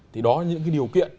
thì đó là những cái điều kiện